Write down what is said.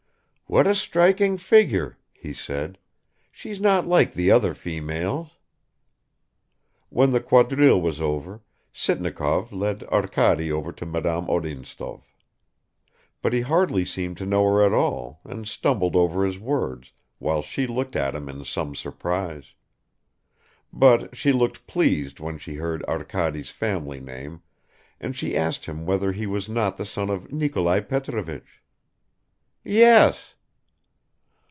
"What a striking figure," he said. "She's not like the other females." When the quadrille was over, Sitnikov led Arkady over to Madame Odintsov. But he hardly seemed to know her at all, and stumbled over his words, while she looked at him in some surprise. But she looked pleased when she heard Arkady's family name, and she asked him whether he was not the son of Nikolai Petrovich. "Yes!"